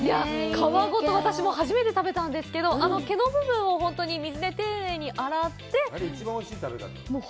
皮ごと、私も初めて食べたんですけどあの毛の部分を本当に水で丁寧に洗って。